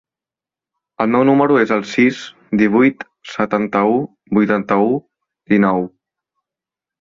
El meu número es el sis, divuit, setanta-u, vuitanta-u, dinou.